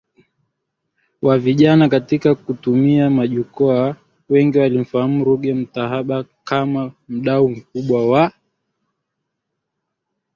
wa vijana katika kutumia majukwaa Wengi walimfahamu Ruge Mutahaba kama mdau mkubwa wa